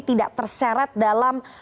tidak terseret dalam